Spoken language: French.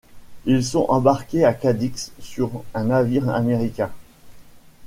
Ils sont embarqués à Cadix sur un navire américain.